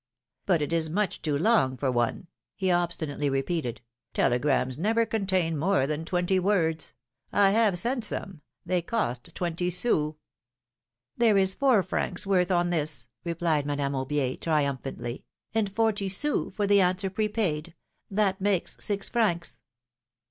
But it is much too long for one ! he obstinately repeated; telegrams never contain more than twenty words ; I have sent some — they cost twenty sousT There is four francs worth on this !'' replied Madame Aubier, triumphantly; ^^and forty sous for the answer pre paid — that makes six francs.